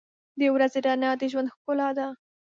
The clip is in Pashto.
• د ورځې رڼا د ژوند ښکلا ده.